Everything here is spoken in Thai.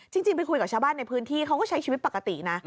จริงไปคุยกับชาวบ้านในพื้นที่เขาก็ใช้ชีวิตปกตินะ